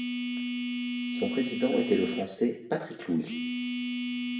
Son président était le Français Patrick Louis.